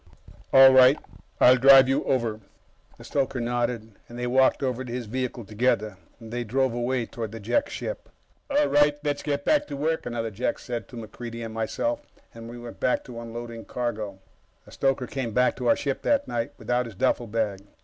"All right. I'll drive you over." The stoker nodded, and they walked over to his vehicle together. They drove away, toward the Jek ship. "All right, let's get back to work," another Jek said to MacReidie and myself, and we went back to unloading cargo. The stoker came back to our ship that night, without his duffelbag.